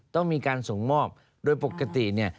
ต้องมีการส่งมอบโดยปกติเนี่ย